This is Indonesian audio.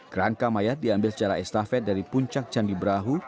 kerangka mayat diambil secara estafet dari puncak candi brahu